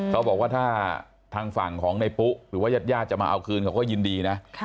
เขาบอกว่าถ้าทางฝั่งของในปุ๊หรือว่ายาดจะมาเอาคืนเขาก็ยินดีนะ